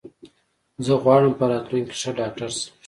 زه غواړم په راتلونکې کې ښه ډاکټر شم.